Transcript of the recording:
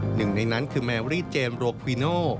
หนึ่งในนั้นคือแมรี่เจมส์ราโพีเห็นโลไดหา